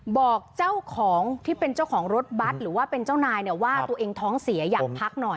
บอกเจ้าของที่เป็นเจ้าของรถบัตรหรือว่าเป็นเจ้านายเนี่ยว่าตัวเองท้องเสียอยากพักหน่อย